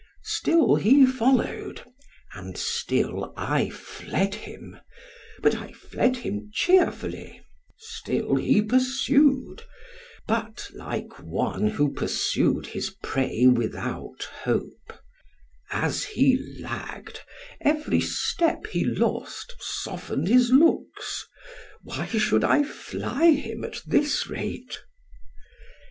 ——Still he followed,——and still I fled him——but I fled him cheerfully——still he pursued——but, like one who pursued his prey without hope——as he lagg'd, every step he lost, softened his looks——why should I fly him at this rate?